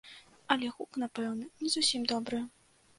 Але гук, напэўна, не зусім добры.